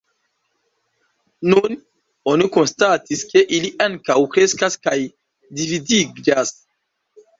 Nun oni konstatis, ke ili ankaŭ kreskas kaj dividiĝas.